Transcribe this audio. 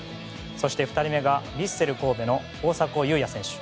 そして２人目がヴィッセル神戸の大迫勇也選手。